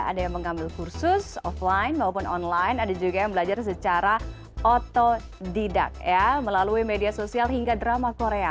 ada yang mengambil kursus offline maupun online ada juga yang belajar secara otodidak ya melalui media sosial hingga drama korea